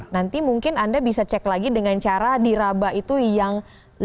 nanti mungkin anda bisa cek lagi dengan cara diraba itu yang lebih